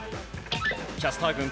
キャスター軍